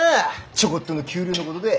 ちょこっとの給料のことで。